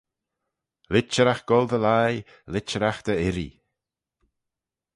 Litcheragh goll dy lhie, litcheragh dy irree,